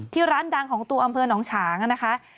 ร้านดังของตัวอำเภอหนองฉางนะคะ